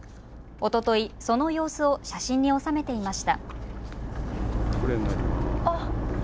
おととい、その様子を写真に収めていました。